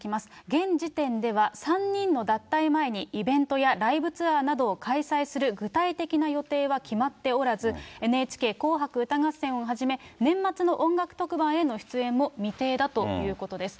現時点では３人の脱退前にイベントやライブツアーなどを開催する具体的な予定は決まっておらず、ＮＨＫ紅白歌合戦をはじめ、年末の音楽特番への出演も未定だということです。